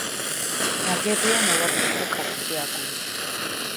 ნაგებია მოვარდისფრო „ქართული აგურით“.